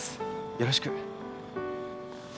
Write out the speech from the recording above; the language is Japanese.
よろしく。